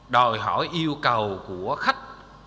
đòi hỏi yêu cầu của khách